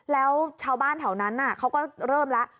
แล้วชาวบ้านแถวนั้นเขาก็เริ่มแล้ว